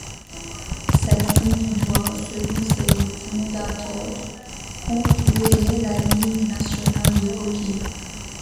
Cette ligue doit, selon ses fondateurs, concurrencer la Ligue nationale de hockey.